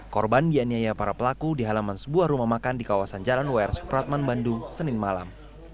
korban dianiaya para pelaku di halaman sebuah rumah makan di kawasan jalan wr supratman bandung senin malam